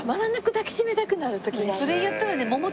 それ言ったらね。